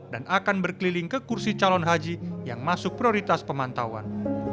dan akan berkeliling ke kursi calon haji yang masuk prioritas pemantauan